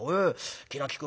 『気の利く